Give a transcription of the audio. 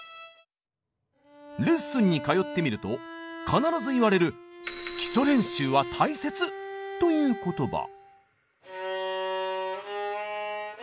レッスンに通ってみると必ず言われるという言葉。